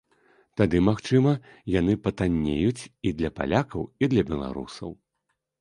Тады, магчыма, яны патаннеюць і для палякаў, і для беларусаў.